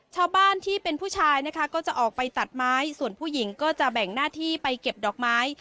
ชาวบ้านที่เป็นผู้ชายนะคะก็จะออกไปตัดไม้ส่วนผู้หญิงก็จะแบ่งหน้าที่ไปเก็บดอกไม้